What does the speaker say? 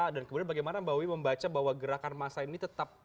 dan kemudian bagaimana mbak wiwi membaca bahwa gerakan masa ini tetap